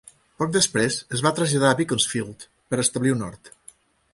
Poc després, es va traslladar a Beaconsfield per establir un hort.